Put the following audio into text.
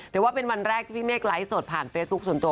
ถือว่าเป็นวันแรกที่พี่เมฆไลฟ์สดผ่านเฟซบุ๊คส่วนตัว